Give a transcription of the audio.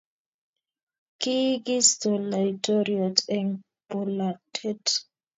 kikiisto laitoriat eng polatet